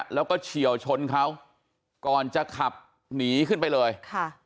แล้วก็เฉียวชนเขาก่อนจะขับหนีขึ้นไปเลยค่ะ